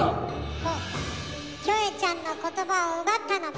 そうかキョエちゃんの言葉を奪ったのも。